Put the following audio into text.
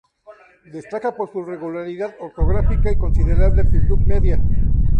Destaca por su regularidad orográfica y considerable altitud media.